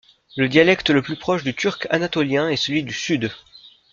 Le dialecte le plus proche du turc anatolien est celui du Sud.